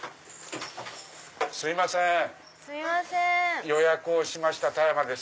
すいません予約をしました田山です。